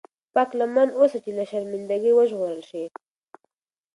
پاک لمن اوسه چې له شرمنده ګۍ وژغورل شې.